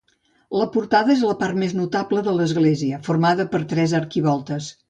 La portada és la part més notable de l'església, formada per tres arquivoltes.